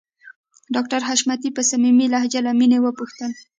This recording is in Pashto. ډاکټر حشمتي په صميمي لهجه له مينې وپوښتل